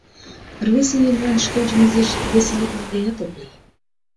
Рвезе еҥлан шкенжым изиш веселитлыдеат ок лий...